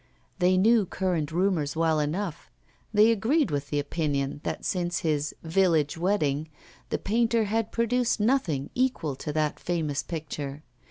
They knew current rumours well enough; they agreed with the opinion that since his 'Village Wedding' the painter had produced nothing equal to that famous picture.